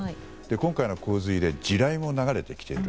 今回の洪水で地雷も流れてきている。